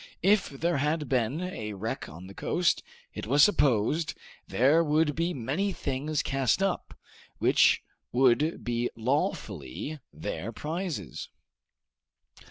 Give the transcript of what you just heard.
If there had been a wreck on the coast, as was supposed, there would be many things cast up, which would be lawfully their prizes.